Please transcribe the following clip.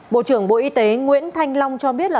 bộ trưởng bộ y tế nguyễn thanh long cho biết là